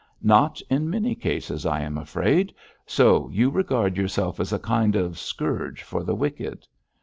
'Not in many cases, I am afraid. So you regard yourself as a kind of scourge for the wicked?'